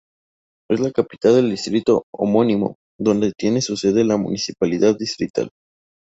Es la capital del distrito homónimo, donde tiene su sede la Municipalidad Distrital.